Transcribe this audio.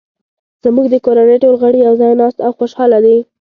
زموږ د کورنۍ ټول غړي یو ځای ناست او خوشحاله دي